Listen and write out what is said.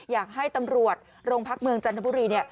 อยากให้ตำรวจโรงพักเมืองจันทบุรี